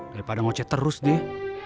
daripada ngoceh terus dia